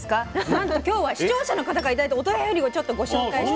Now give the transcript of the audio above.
なんと今日は視聴者の方から頂いたお便りをちょっとご紹介したくて。